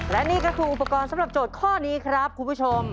และนี่ก็คืออุปกรณ์สำหรับโจทย์ข้อนี้ครับคุณผู้ชม